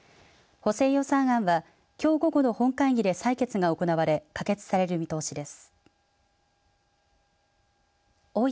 補正予算案はきょう午後の本会議で採決が行われ可決される見通しです。